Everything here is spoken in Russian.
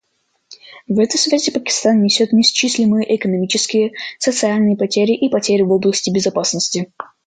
В этой связи Пакистан несет неисчислимые экономические, социальные потери и потери в области безопасности.